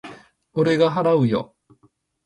俺が払うよ。